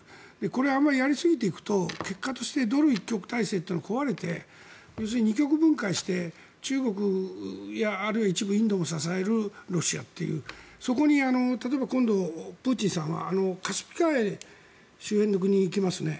これはあまりやりすぎていくと結果としてドル一極体制が壊れて要するに二極分解して中国やあるいは一部、インドも支えるロシアというそこに例えば今度、プーチンさんはカスピ海周辺の国に行きますよね。